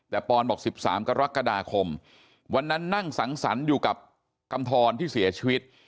แต่ปอนบอก๑๓กรกฎาคมวันนั้นนั่งสังสรรค์อยู่กับกำทรที่เสียชีวิต